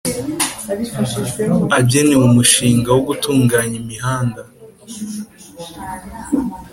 agenewe umushinga wo gutunganya imihanda